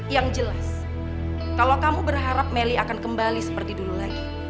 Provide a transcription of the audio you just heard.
yang jelas kalau kamu berharap melly akan kembali seperti dulu lagi